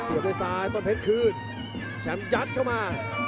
ด้วยซ้ายต้นเพชรคืนแชมป์ยัดเข้ามา